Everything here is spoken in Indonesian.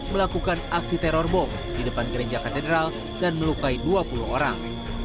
melakukan aksi teror bom di depan gereja katedral dan melukai dua puluh orang